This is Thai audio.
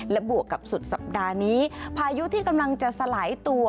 และบวกกับสุดสัปดาห์นี้พายุที่กำลังจะสลายตัว